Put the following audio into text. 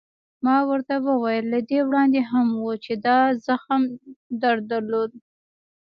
ما ورته وویل: له دې وړاندې هم و، چې دا زخم در درلود؟